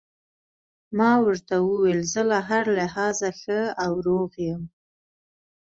ما ورته وویل: زه له هر لحاظه ښه او روغ یم.